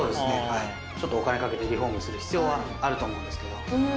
ちょっとお金かけてリフォームする必要はあると思うんですけど。